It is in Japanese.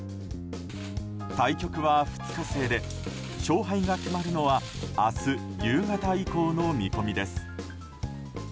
対局は２日制で勝敗が決まるのは明日夕方以降の見込みです。